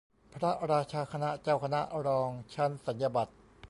พระราชาคณะ เจ้าคณะรอง ชั้นสัญญาบัตร